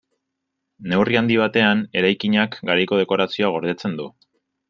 Neurri handi batean, eraikinak garaiko dekorazioa gordetzen du.